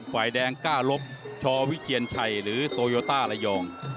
ฝ่ายแดงก้าลบชวิเชียนชัยหรือโตโยต้าระยอง